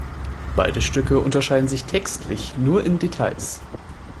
Beide Stücke unterscheiden sich textlich nur in Details.